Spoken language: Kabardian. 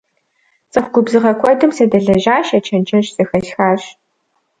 ЦӀыху губзыгъэ куэдым садэлэжьащ, я чэнджэщ зэхэсхащ.